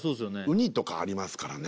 ウニとかありますからね